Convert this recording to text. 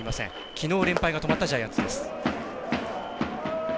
きのう連敗が止まったジャイアンツです。